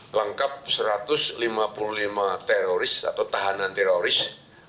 lengkap satu ratus lima puluh lima teroris atau tahanan teroris